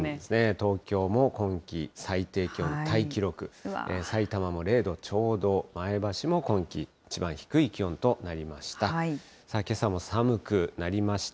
東京も今季最低気温、タイ記録、さいたまも０度ちょうど、前橋も今季一番低い気温となりました。